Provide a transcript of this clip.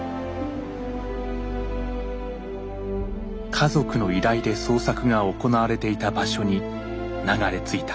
家族の依頼で捜索が行われていた場所に流れ着いた。